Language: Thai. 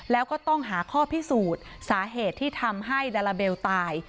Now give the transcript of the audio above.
แล้วก็ต้องหาข้อพิสูจน์สาเหตุที่ทำให้ลาลาเบลตาย